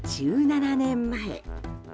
１７年前。